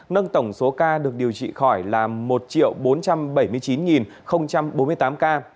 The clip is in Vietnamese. nâng tổng số ca được điều trị khỏi là một bốn trăm bảy mươi chín bốn mươi tám ca